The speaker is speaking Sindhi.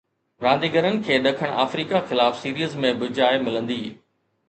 رانديگرن کي ڏکڻ آفريڪا خلاف سيريز ۾ به جاءِ ملندي.